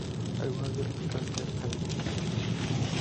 Algunos de ellos resultan ser alucinaciones.